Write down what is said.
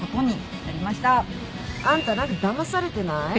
あんた何かだまされてない？